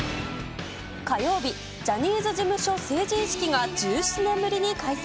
火曜日、ジャニーズ事務所成人式が１７年ぶりに開催。